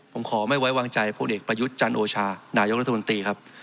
ผมขอไม่ไว้วางใจพลเอกประยุทธ์จันโอชานายกรัฐมนตรีครับ